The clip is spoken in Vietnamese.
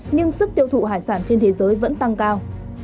nhưng sức tiêu thụ hải sản trên thế giới vẫn tăng cao